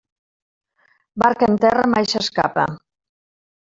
Barca en terra mai s'escapa.